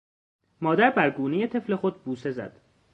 مادر بر گونهٔ طفل خود بوسه زد.